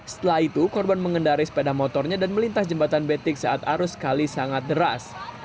setelah itu korban mengendari sepeda motornya dan melintas jembatan betik saat arus kali sangat deras